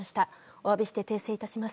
お詫びして訂正致します。